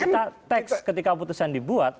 kita teks ketika putusan dibuat